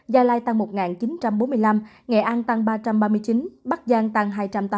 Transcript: gia lai tăng một chín trăm bốn mươi năm nghệ an tăng ba trăm ba mươi chín bắc giang tăng hai trăm tám mươi tám